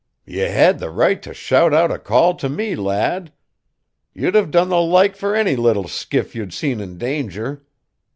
"Ye had the right t' shout out a call t' me, lad. You'd have done the like fur any little skiff you'd seen in danger."